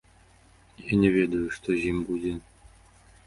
Я не ведаю, што з ім будзе.